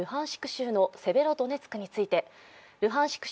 州のセベロドネツクについてルハンシク